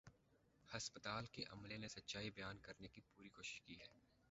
ہسپتال کے عملے نے سچائی بیان کرنے کی پوری کوشش کی ہے